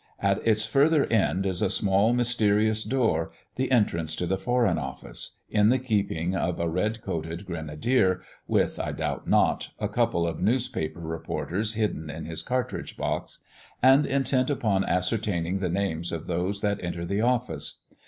At its further end is a small mysterious door, the entrance to the Foreign Office, in the keeping of a red coated grenadier, with, I doubt not, a couple of newspaper reporters hidden in his cartridge box, and intent upon ascertaining the names of those that enter the office.